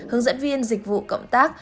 hướng dẫn viên dịch vụ cộng tác